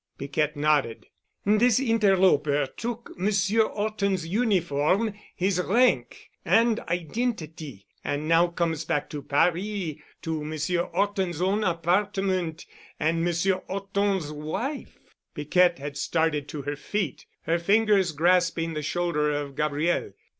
Piquette nodded. "This interloper took Monsieur 'Orton's uniform, his rank and identity, and now comes back to Paris—to Monsieur 'Orton's own apartment, and Monsieur 'Orton's wife——" Piquette had started to her feet, her fingers grasping the shoulder of Gabriel.